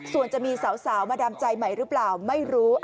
ส่วนจะมีสาวมาดามใจใหม่หรือเปล่าไม่รู้